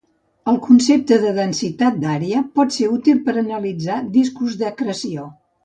El concepte de densitat d'àrea pot ser útil per analitzar discos d'acreció.